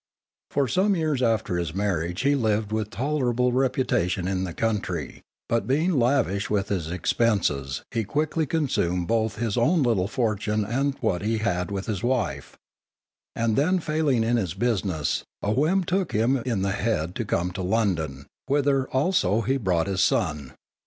For some years after his marriage he lived with tolerable reputation in the country, but being lavish in his expenses, he quickly consumed both his own little fortune and what he had with his wife, and then failing in his business, a whim took him in the head to come to London, whither also he brought his son.